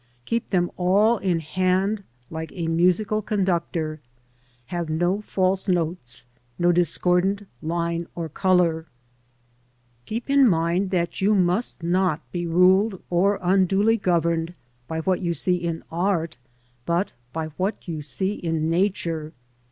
Keep them all in hand like a musical conductor. Have no false notes, no discordant~Tih(ebr'"*c6Tour. " Keep in your mind that you must not be ruled or unduly governed by what you see in Art, but by what you see in Nature.